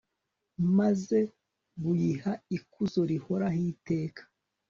maze buyiha ikuzo rihoraho iteka